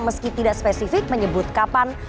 meski tidak spesifik menyebut kapan